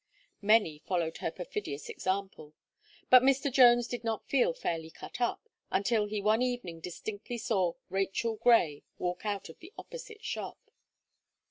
Many followed her perfidious example; but Mr. Jones did not feel fairly cut up, until he one evening distinctly saw Rachel Gray walk out of the opposite shop.